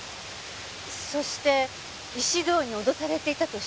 そして石堂に脅されていたとしたら。